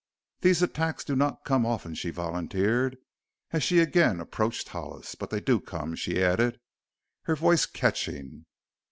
"These attacks do not come often," she volunteered as she again approached Hollis. "But they do come," she added, her voice catching.